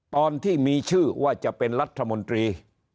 ตอนที่มีชื่อว่าจะเป็นรัฐมนตรี